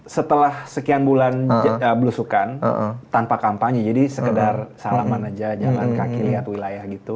setelah sekian bulan belusukan tanpa kampanye jadi sekedar salaman aja jalan kaki lihat wilayah gitu